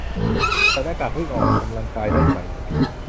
ใส่หน้ากากวิ่งออกกำลังกายได้ไหม